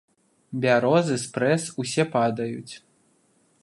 Бярозы спрэс усе падаюць.